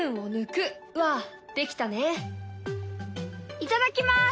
いただきます！